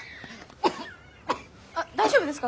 あっ大丈夫ですか？